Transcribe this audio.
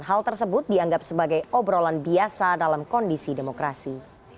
hal tersebut dianggap sebagai obrolan biasa dalam kondisi demokrasi